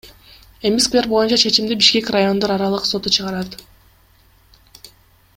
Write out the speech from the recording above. Эми сквер боюнча чечимди Бишкек райондор аралык соту чыгарат.